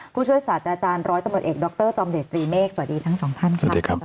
ผู้ช่วยศาสตราจารย์ร้อยตำรวจเอกดรจอมเดชตรีเมฆสวัสดีทั้งสองท่านค่ะ